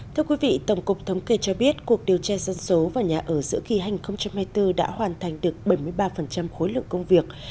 thưa quý vị tổng cục thống kê cho biết cuộc điều tra dân số và nhà ở giữa kỳ hành hai mươi bốn đã hoàn thành được bảy mươi ba khối lượng công việc